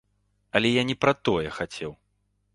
Але я не пра тое хацеў.